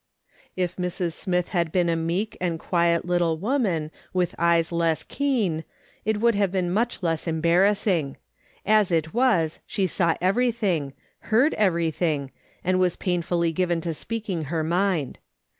If Mrs. Smith had been a meek and quiet little woman, with eyes less keen, it would have been much less embarrassing ;. as it was, she saw every thing, heard everything, and was painfully given to speaking her mind.